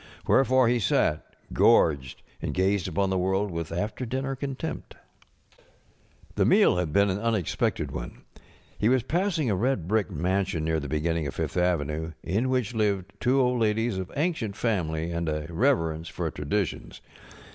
Wherefore he sat, gorged, and gazed upon the world with after dinner contempt. The meal had been an unexpected one. He was passing a red brick mansion near the beginning of Fifth avenue, in which lived two old ladies of ancient family and a reverence for traditions.